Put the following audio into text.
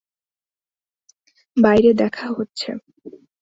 বাইরে দেখা হচ্ছে।